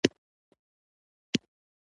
ځینې یې امیر پخپله نقل کړي دي.